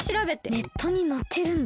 ネットにのってるんだ。